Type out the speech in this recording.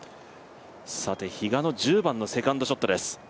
比嘉の１０番のセカンドショットです。